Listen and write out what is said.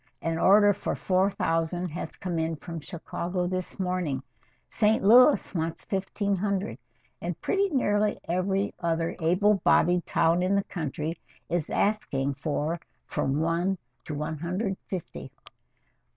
An order for four thousand has come in from Chicago this morning. St. Louis wants fifteen hundred, and pretty nearly every other able bodied town in the country is asking for from one to one hundred and fifty."